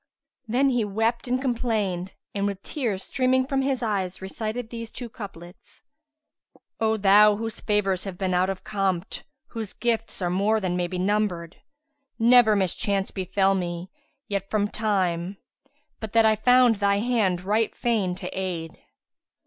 Then he wept and complained and, with tears streaming from his eyes, recited these two couplets, "O thou whose favours have been out of compt, * Whose gifts are more than may be numbered! Never mischance befel me yet from time * But that I found thy hand right fain to aid."